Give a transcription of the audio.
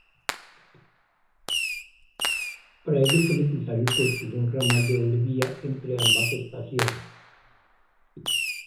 Para ello fue necesario construir un ramal de doble vía entre ambas estaciones.